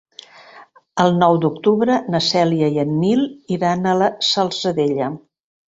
El nou d'octubre na Cèlia i en Nil iran a la Salzadella.